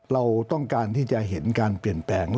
เราต้องการที่จะเห็นการเปลี่ยนแปลง